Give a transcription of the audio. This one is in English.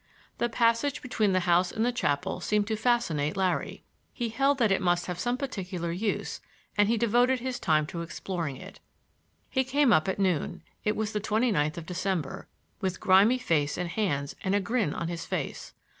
The passage between the house and the chapel seemed to fascinate Larry. He held that it must have some particular use and he devoted his time to exploring it. He came up at noon—it was the twenty ninth of December—with grimy face and hands and a grin on his face.